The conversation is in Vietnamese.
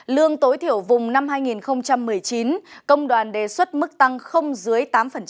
lương tối thiểu vùng năm hai nghìn một mươi chín công đoàn đề xuất mức tăng không dưới tám